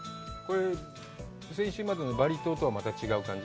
先週までのバリ島とはまた違う感じ？